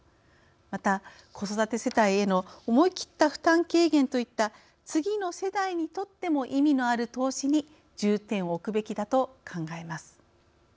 また子育て世帯への思いきった負担軽減といった次の世代にとっても意味のある投資に重点を置くべきだと考えます。